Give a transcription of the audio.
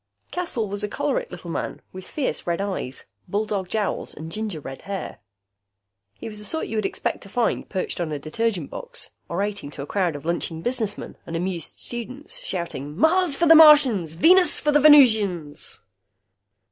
Caswell was a choleric little man with fierce red eyes, bulldog jowls and ginger red hair. He was the sort you would expect to find perched on a detergent box, orating to a crowd of lunching businessmen and amused students, shouting, "Mars for the Martians, Venus for the Venusians!"